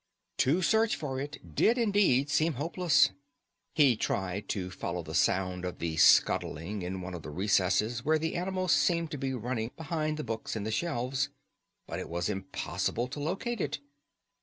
To search for it did indeed seem hopeless. He tried to follow the sound of the scuttling in one of the recesses where the animal seemed to be running behind the books in the shelves, but it was impossible to locate it.